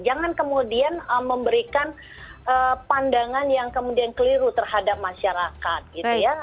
jangan kemudian memberikan pandangan yang kemudian keliru terhadap masyarakat gitu ya